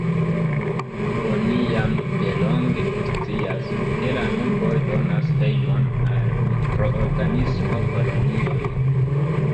Oni jam delonge scias, ke la nuboj donas hejmon al mikroorganismo-kolonioj.